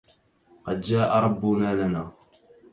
قد جاء ربنا لنا